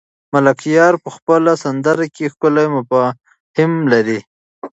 ملکیار په خپله سندره کې ښکلي مفاهیم لري.